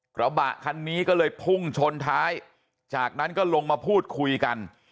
กระบะคันนี้ก็เลยพุ่งชนท้ายจากนั้นก็ลงมาพูดคุยกัน